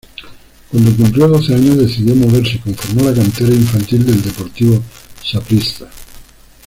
Cuando cumplió doce años decidió moverse y conformó la cantera infantil del Deportivo Saprissa.